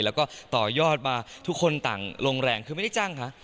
แล้วก็ต่อยอดมาทุกคนต่างลงแรงคือไม่ได้จ้างคะ